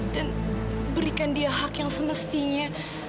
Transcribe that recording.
dan berikan dia hak yang semestinya